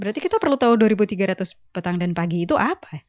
berarti kita perlu tahu dua ribu tiga ratus petang dan pagi itu apa